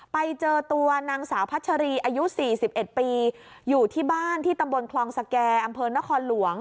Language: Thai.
ไปเจอตัวนางสาวพัชรีอายุ๔๑ปีอยู่ที่บ้านที่ตำบลคลองสแก่อำเภอนครหลวง